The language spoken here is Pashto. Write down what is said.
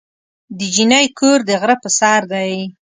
د جینۍ کور د غره په سر دی.